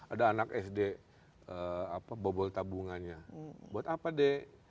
ada anak sd bobol tabungannya buat apa deh